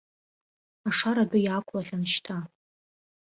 Ашара адәы иаақәлахьан шьҭа.